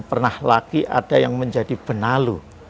pernah lagi ada yang menjadi benalu